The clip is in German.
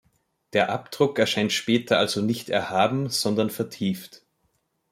Der Abdruck erscheint später also nicht erhaben, sondern vertieft.